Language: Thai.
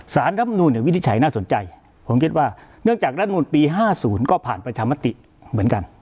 รำนูลวินิจฉัยน่าสนใจผมคิดว่าเนื่องจากรัฐมนุนปี๕๐ก็ผ่านประชามติเหมือนกัน